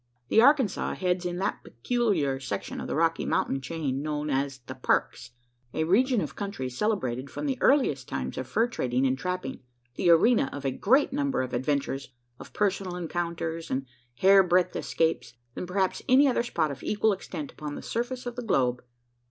The Arkansas heads in that peculiar section of the Rocky Mountain chain known as the "Parks" a region of country celebrated from the earliest times of fur trading and trapping the arena of a greater number of adventures of personal encounters and hair breadth escapes than perhaps any other spot of equal extent upon the surface of the globe.